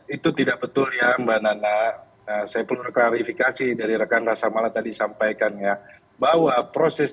itu tidak betul ya mbak nana saya perlu klarifikasi dari rekan rasa mala tadi sampaikan ya bahwa proses